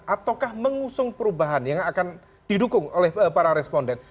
ataukah mengusung perubahan yang akan didukung oleh para responden